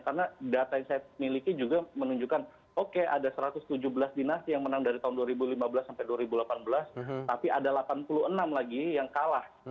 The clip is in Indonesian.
karena data yang saya miliki juga menunjukkan oke ada satu ratus tujuh belas dinasti yang menang dari tahun dua ribu lima belas sampai dua ribu delapan belas tapi ada delapan puluh enam lagi yang kalah